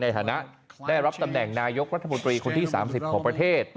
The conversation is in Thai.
ฐานะได้รับตำแหน่งนายกรัฐมนตรีคนที่๓๐ของประเทศ